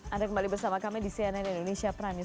anda kembali bersama kami di cnn indonesia prime news